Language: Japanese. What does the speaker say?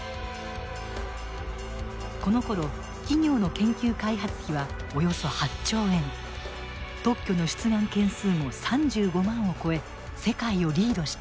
このころ企業の研究開発費はおよそ８兆円特許の出願件数も３５万を超え世界をリードしていた。